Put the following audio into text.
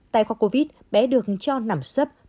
tại khóa covid bé được cho nằm sấp